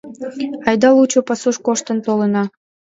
Айда лучо пасуш коштын толына.